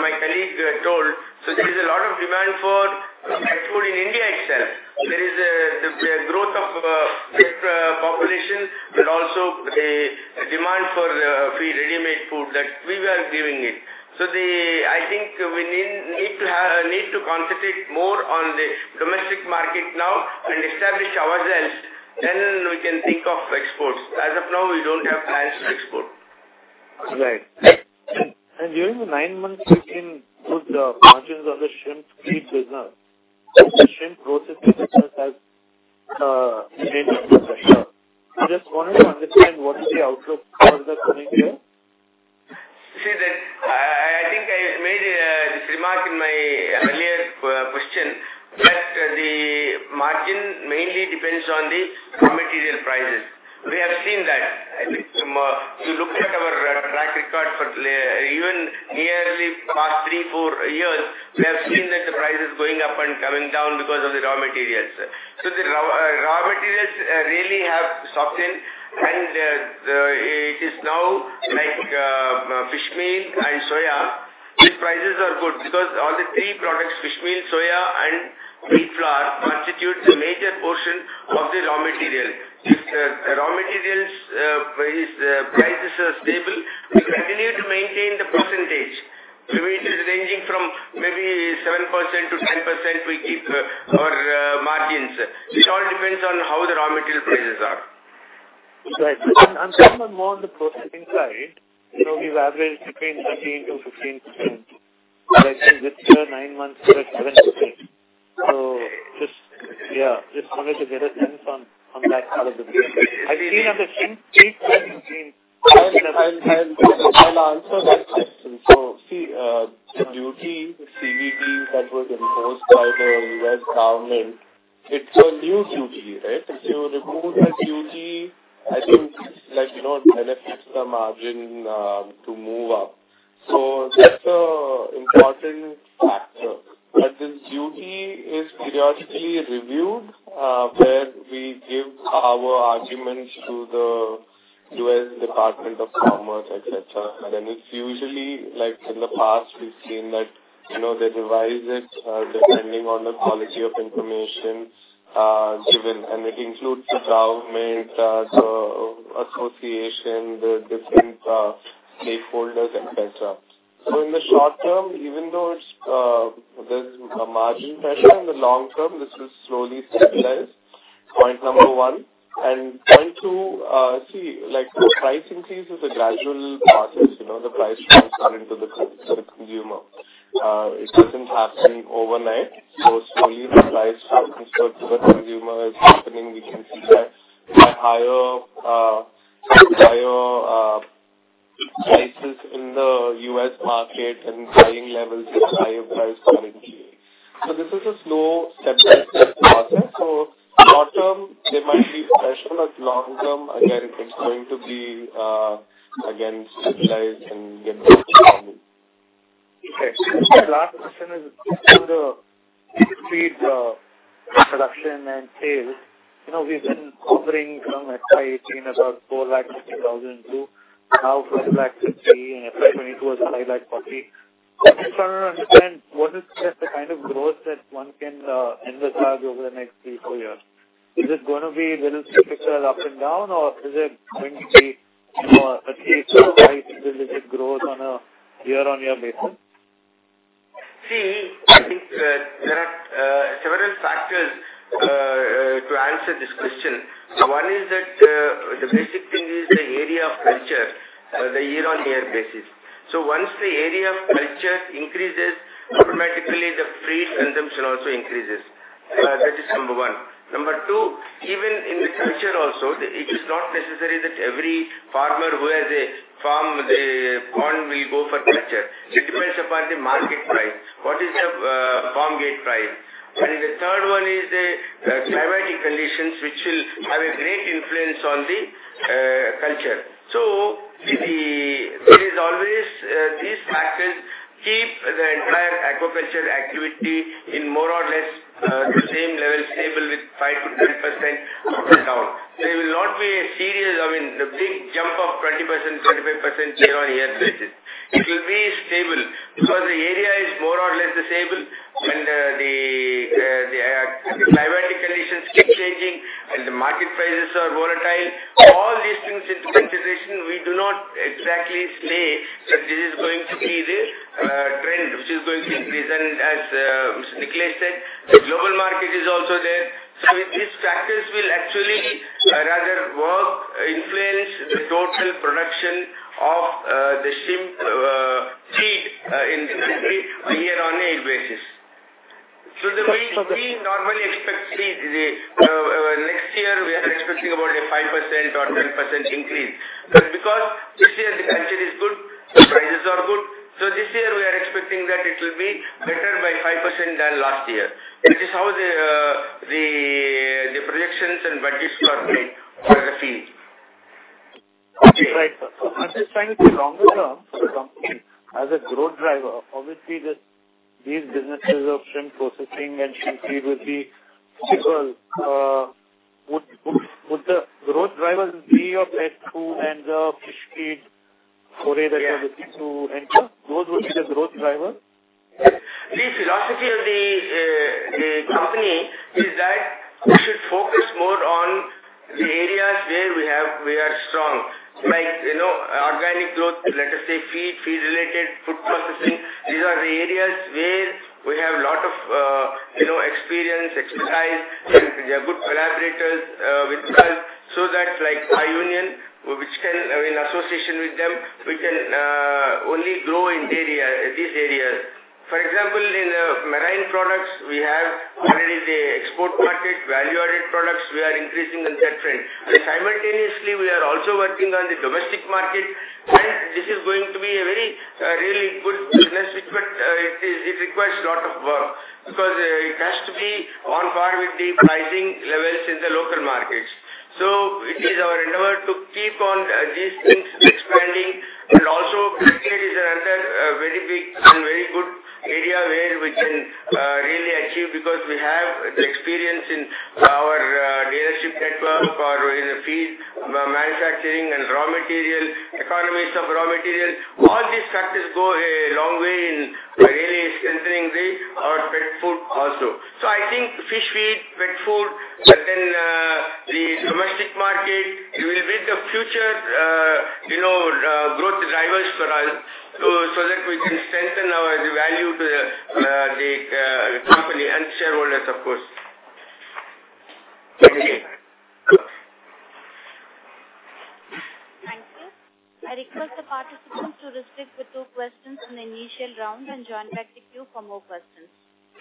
S2: my colleague told, so there is a lot of demand for the food in India itself. There is the growth of the population and also the demand for the ready-made food that we were giving it. So I think we need to concentrate more on the domestic market now and establish ourselves. Then we can think of exports. As of now, we don't have plans to export.
S11: Right. And during the nine months, the margins of the shrimp feed business and the shrimp processing business have changed a bit, sir. I just wanted to understand what is the outlook for the coming year?
S4: See, I think I made this remark in my earlier question that the margin mainly depends on the raw material prices. We have seen that. If you look at our track record for even nearly past three, four years, we have seen that the price is going up and coming down because of the raw materials. So the raw materials really have softened, and it is now like fish meal and soya. These prices are good because all the three products, fish meal, soya, and wheat flour, constitute the major portion of the raw material. If the raw materials' prices are stable, we continue to maintain the percentage. We'll be ranging from maybe 7%-10%. We keep our margins. It all depends on how the raw material prices are.
S11: Right. And some more on the processing side, we've averaged between 13%-15%. But I think this year, nine months, we're at 7%. So yeah, just wanted to get a sense on that part of the business. I've seen on the shrimp feed price has been.
S2: I'll answer that question. So see, the duty, the CVD that was imposed by the U.S. government, it's a new duty, right? If you remove that duty, I think it's like 5% the margin to move up. So that's an important factor. But this duty is periodically reviewed where we give our arguments to the U.S. Department of Commerce, etc. And then it's usually like in the past, we've seen that they revise it depending on the quality of information given. And it includes the government, the association, the different stakeholders, etc. So in the short term, even though there's a margin pressure, in the long term, this will slowly stabilize, point number one. And point two, see, the price increase is a gradual process. The price transferred into the consumer. It doesn't happen overnight. So slowly, the price transfer to the consumer is happening. We can see that higher prices in the U.S. market and buying levels are higher price point. So this is a slow, step-by-step process. So short term, there might be pressure, but long term, again, it's going to be again stabilized and get back to normal.
S4: Okay. My last question is for the fish feed production and sales. We've been operating from FY18 about 450,000 to now 450,000, and FY22 was 540,000. I just want to understand, what is the kind of growth that one can envisage over the next three, four years? Is it going to be a little bit up and down, or is it going to be more steady pace? Will it grow on a year-on-year basis?
S2: See, I think there are several factors to answer this question. One is that the basic thing is the area of culture on a year-on-year basis. So once the area of culture increases, automatically, the feed consumption also increases. That is number one. Number two, even in the culture also, it is not necessary that every farmer who has a farm, the pond will go for culture. It depends upon the market price. What is the farm gate price? And the third one is the climatic conditions, which will have a great influence on the culture. So there is always these factors keep the entire aquaculture activity in more or less the same level, stable with 5%-10% up and down. There will not be a serious, I mean, a big jump of 20%, 25% year-on-year basis. It will be stable because the area is more or less disabled, and the climatic conditions keep changing, and the market prices are volatile. All these things into consideration, we do not exactly say that this is going to be the trend which is going to increase. And as Mr. Nikhilesh said, the global market is also there. So these factors will actually rather work, influence the total production of the shrimp feed on a year-on-year basis. So we normally expect next year, we are expecting about a 5%-10% increase. But because this year, the culture is good, the prices are good, so this year, we are expecting that it will be better by 5% than last year, which is how the projections and budgets were made for the feed.
S11: Okay. Right. I'm just trying to see longer term for the company as a growth driver. Obviously, these businesses of shrimp processing and shrimp feed will be critical. Would the growth drivers be your pet food and the fish feed foray that you're looking to enter? Those would be the growth drivers?
S2: The philosophy of the company is that we should focus more on the areas where we are strong, like organic growth, let us say, feed, feed-related, food processing. These are the areas where we have a lot of experience, expertise, and they are good collaborators with us so that our union, which can in association with them, we can only grow in these areas. For example, in the marine products, we have already the export market, value-added products. We are increasing on that trend. Simultaneously, we are also working on the domestic market, and this is going to be a really good business, but it requires a lot of work because it has to be on par with the pricing levels in the local markets. So it is our endeavor to keep on these things expanding. And also, fish feed is another very big and very good area where we can really achieve because we have the experience in our dealership network or in the feed manufacturing and raw material economies of raw material. All these factors go a long way in really strengthening our pet food also. So I think fish feed, pet food, and then the domestic market will be the future growth drivers for us so that we can strengthen our value to the company and shareholders, of course.
S11: Thank you.
S1: Thank you. I request the participants to restrict with two questions in the initial round and join back the queue for more questions.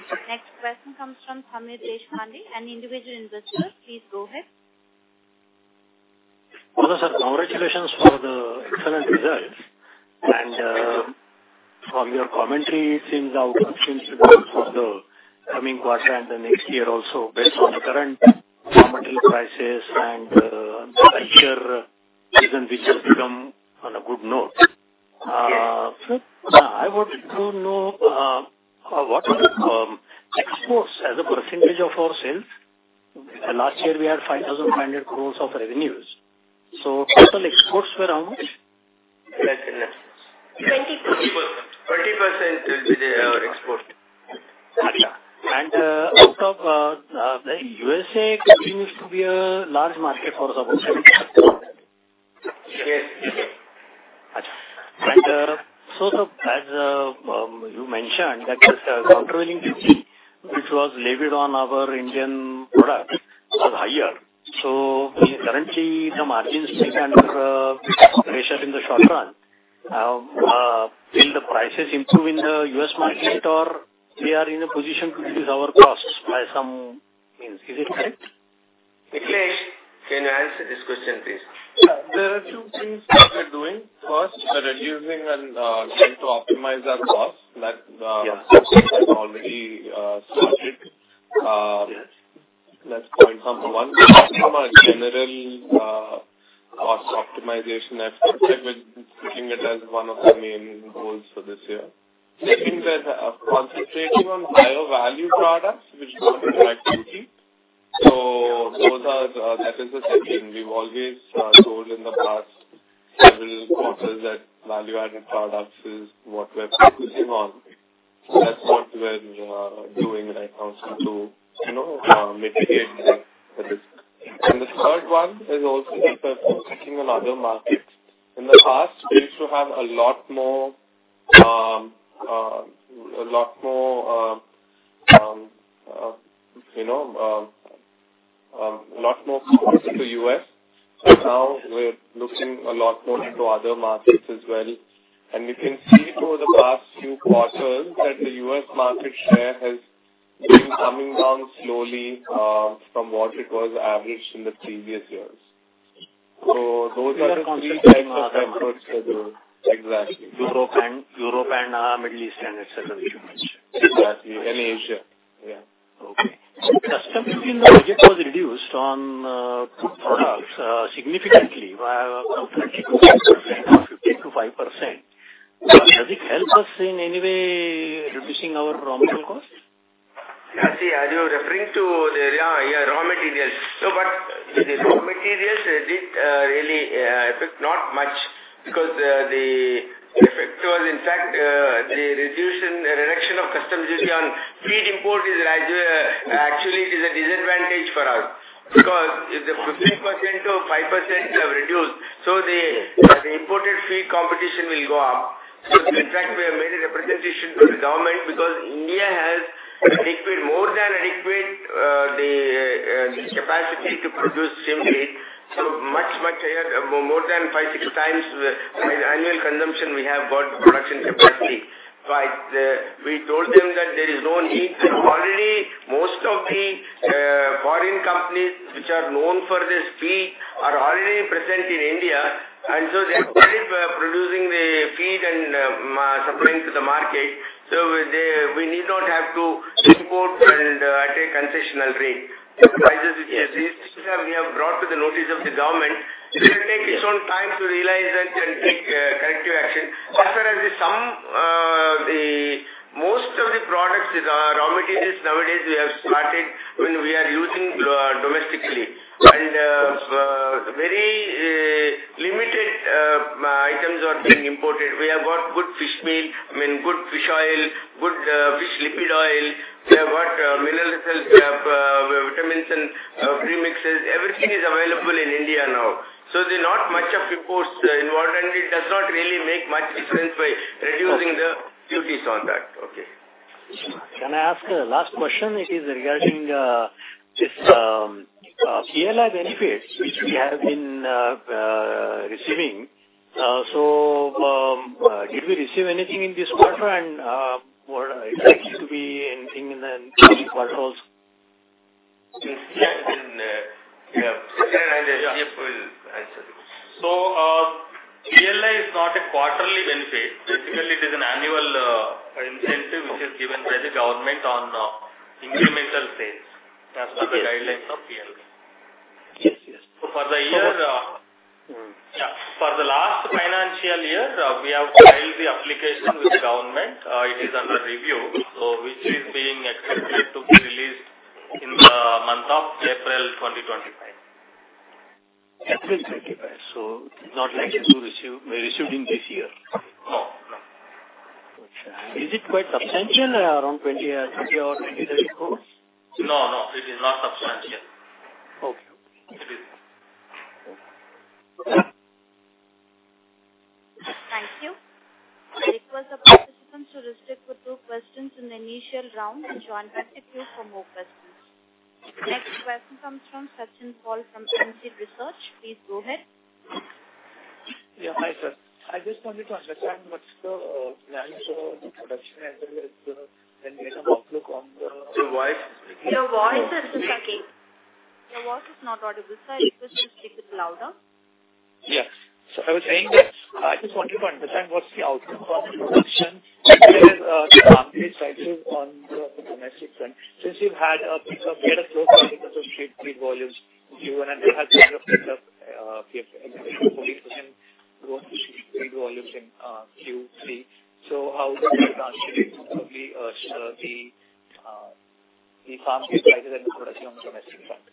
S1: Next question comes from Samir Deshpande, an individual investor. Please go ahead.
S12: Hello, sir. Congratulations for the excellent results, and from your commentary, it seems the outcome seems to be good for the coming quarter and the next year also. Based on the current raw material prices and the culture season, which has become on a good note, I want to know what exports as a percentage of our sales. Last year, we had 5,500 crores of revenues. So total exports were how much?
S4: 20%.
S2: 20% will be our export.
S12: Gotcha. And out of the USA, continues to be a large market for us.
S2: Yes.
S12: Gotcha. And so, as you mentioned, that countervailing duty, which was levied on our Indian products, was higher. So currently, the margins are under pressure in the short run. Will the prices improve in the U.S. market, or we are in a position to reduce our costs by some means? Is it correct?
S2: Nikhilesh, can you answer this question, please?
S7: There are two things that we're doing. First, we're reducing and trying to optimize our costs. That's already started. Let's point number one. We have some general cost optimization efforts that we're putting it as one of the main goals for this year. Second, we're concentrating on higher value products, which is going to drive duty. So that is the second. We've always told in the past several quarters that value-added products is what we're focusing on. So that's what we're doing right now to mitigate the risk. And the third one is also focusing on other markets. In the past, we used to have a lot more focus to the U.S. But now, we're looking a lot more into other markets as well. We can see over the past few quarters that the U.S. market share has been coming down slowly from what it was averaged in the previous years. So those are the three types of efforts that we're exactly.
S2: Europe and Middle East, and etc., which you mentioned. Exactly. And Asia. Yeah.
S12: Okay. Customs duty in the market was reduced on products significantly, by around 20% to 55%. Does it help us in any way reducing our raw material costs?
S4: Yeah. See, as you're referring to the raw materials, but the raw materials did really affect not much because the effect was, in fact, the reduction of customs duty on feed import is actually a disadvantage for us because if the 15%-5% have reduced, so the imported feed competition will go up. So in fact, we have made a representation to the government because India has more than adequate capacity to produce shrimp feed, so much, much higher, more than five, six times by the annual consumption we have got the production capacity. But we told them that there is no need. Already, most of the foreign companies which are known for this feed are already present in India. And so they're already producing the feed and supplying to the market. So we need not have to import and take concessional rates. So the prices, which these things have brought to the notice of the government, it will take its own time to realize and take corrective action. As far as the most of the products, the raw materials nowadays, we have started when we are using domestically, and very limited items are being imported. We have got good fish meal, I mean, good fish oil, good fish lipid oil. We have got minerals, vitamins, and pre-mixes. Everything is available in India now. So there's not much of imports involved, and it does not really make much difference by reducing the duties on that. Okay.
S12: Can I ask a last question? It is regarding this PLI benefits which we have been receiving. So did we receive anything in this quarter? And would it be expected to be anything in the next quarter also?
S4: Yes. Mr. and I will answer the question. So PLI is not a quarterly benefit. Basically, it is an annual incentive which is given by the government on incremental sales, as per the guidelines of PLI.
S2: Yes. Yes.
S4: For the last financial year, we have filed the application with the government. It is under review, which is being expected to be released in the month of April 2025.
S12: April 2025. So it's not likely to be received in this year?
S4: No. No.
S12: Is it quite substantial, around 20 or INR 30 crores?
S4: No. No. It is not substantial.
S12: Okay. Thank you.
S1: I request the participants to restrict with two questions in the initial round and join back the queue for more questions. Next question comes from Sachin Paul from NC Research. Please go ahead.
S13: Yeah. Hi, sir. I just wanted to understand what's the plan for the production as well as the network look on the.
S1: Your voice is not audible. Sorry. Please just speak a bit louder.
S14: Yes. So I was saying that I just wanted to understand what's the outcome for the production, where the market sizes on the domestic front. Since you've had a pickup, we had a close pickup of shrimp feed volumes in Q1, and we had a pickup of 40% growth of shrimp feed volumes in Q3. So how do you anticipate the farm gate prices and the production on the domestic front?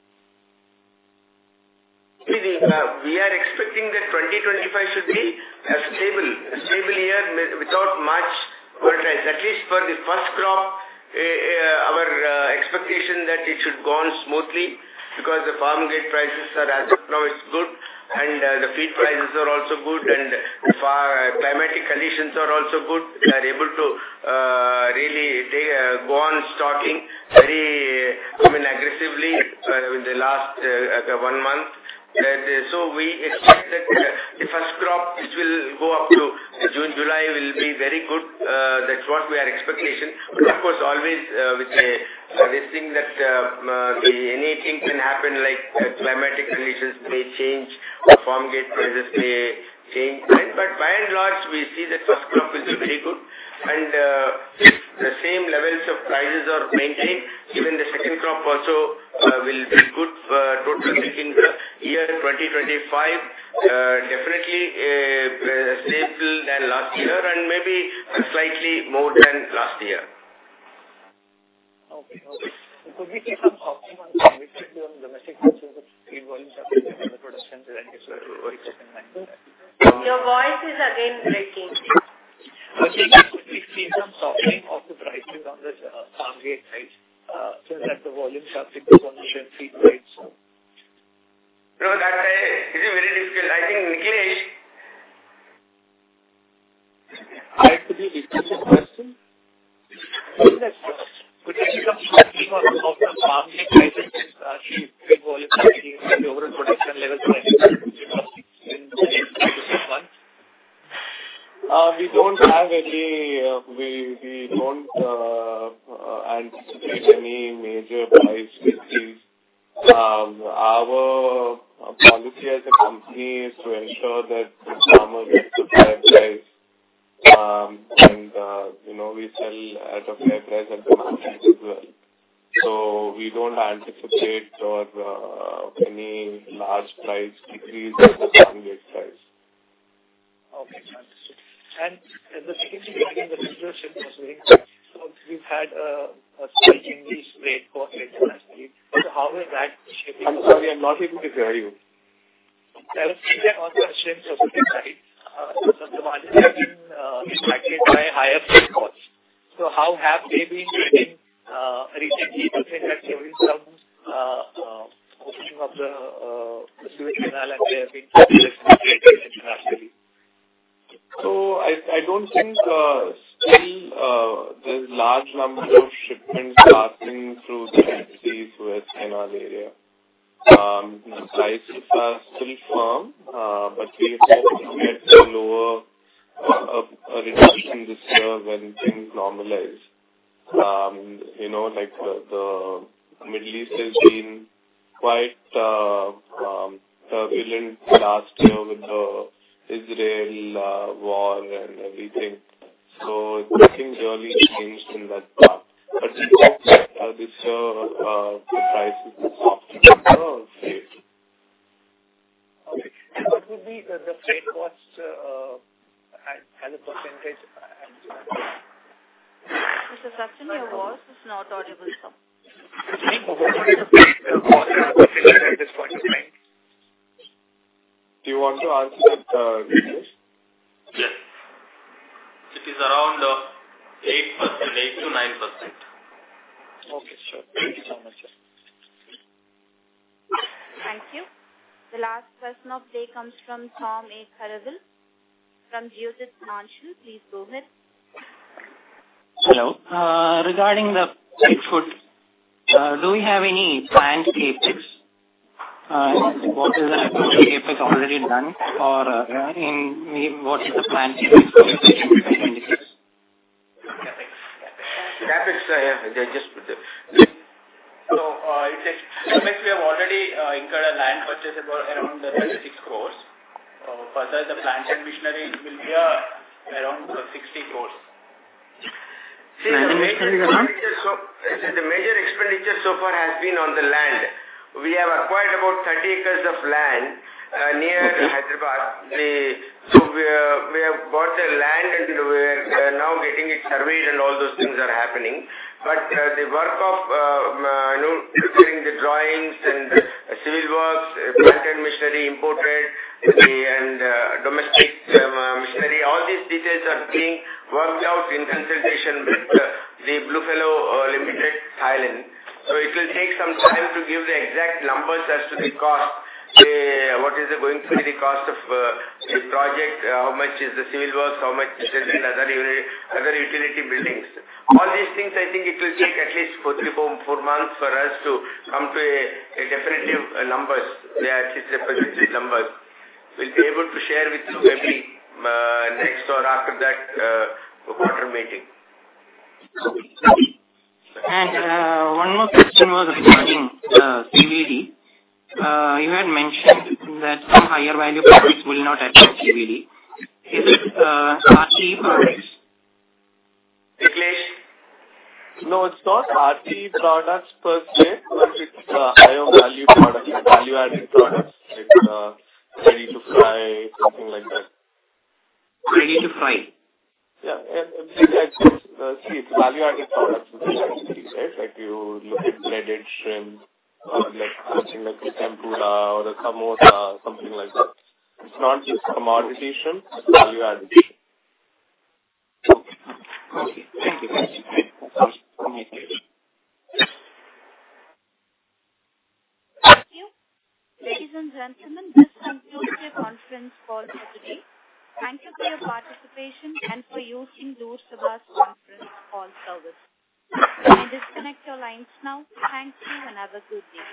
S2: We are expecting that 2025 should be a stable year without much overprice, at least for the first crop. Our expectation is that it should go on smoothly because the farm gate prices are as of now good, and the feed prices are also good, and climatic conditions are also good. They are able to really go on stocking very aggressively in the last one month. So we expect that the first crop, which will go up to June, July, will be very good. That's what we are expecting. But of course, always with this thing that anything can happen, like climatic conditions may change, farm gate prices may change. But by and large, we see that first crop will be very good, and the same levels of prices are maintained. Even the second crop also will be good for total taking year 2025, definitely stable than last year and maybe slightly more than last year.
S13: So we see some softening on domestic versus feed volumes of the production, and it's worth bearing in mind that.
S1: Your voice is again breaking.
S13: I think we've seen some softening of the prices on the farm gate side, so that the volumes are pretty consistent feed side.
S2: No, that is very difficult. I think, Nikhilesh.
S13: It could be a difficult question. Could there be some softening of the market prices and shrimp feed volumes over the production levels in the next couple of months?
S9: We don't anticipate any major price decrease. Our policy as a company is to ensure that the farmers get the fair price, and we sell at a fair price at the market as well. So we don't anticipate any large price decrease in the farm gate price.
S13: Okay. Understood. And the second thing regarding the shrimp processing, so we've had a slight increase rate for it domestically. So how is that shaping?
S2: I'm sorry. I'm not able to hear you.
S13: I was thinking on the shrimp supply side, the market has been impacted by higher feed costs, so how have they been recently? Do you think that there is some opening of the Suez Canal, and they have been increasing internationally?
S9: I don't think still there's a large number of shipments passing through the Suez Canal area. The prices are still firm, but we expect to get a lower reduction this year when things normalize. The Middle East has been quite turbulent last year with the Israel war and everything. So things really changed in that part. But I think this year the prices are softening as well.
S13: Okay. What would be the trade cost as a %?
S1: Mr. Sachin, your voice is not audible.
S13: Do you think the trade costs are at this point of time?
S9: Do you want to answer that, Nikhilesh?
S7: Yes. It is around 8%, 8%-9%.
S13: Okay. Sure. Thank you so much, sir.
S1: Thank you. The last question of the day comes from Thomas Caraville from Geosphere Capital. Please go ahead.
S15: Hello. Regarding the seafood, do we have any planned CapEx? What is the CapEx already done, or what is the planned CapEx for 2026?
S2: CapEx, yeah. So CapEx, we have already incurred a land purchase of around 36 crores. Further, the planned commissioning will be around 60 crores.
S4: So the major expenditure so far has been on the land. We have acquired about 30 acres of land near Hyderabad. So we have bought the land, and we are now getting it surveyed, and all those things are happening. But the work of doing the drawings and civil works, plant and machinery, imported and domestic machinery, all these details are being worked out in consultation with the Bluefalo Company Limited, Thailand. So it will take some time to give the exact numbers as to the cost. What is going to be the cost of the project? How much is the civil works? How much is it in other utility buildings? All these things, I think it will take at least four months for us to come to definitive numbers. We have at least representative numbers. We'll be able to share with you maybe next or after that quarter meeting.
S13: One more question was regarding CVD. You had mentioned that some higher value products will not add to CVD. Is it RTE products?
S2: Nikhilesh?
S7: No, it's not RTE products per se, but it's higher value products, value-added products like ready-to-fry, something like that.
S2: Ready-to-fry?
S9: Yeah. See, it's value-added products with CVD, right? You look at breaded shrimp or something like the tempura or the samosa, something like that. It's not just commodity shrimp. It's value-added shrimp.
S13: Okay. Thank you. Thank you.
S1: Thank you. Ladies and gentlemen, this concludes the conference call for today. Thank you for your participation and for using DoorSebas' conference call service. We disconnect your lines now. Thank you and have a good day.